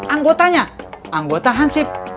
anggotanya anggota hansib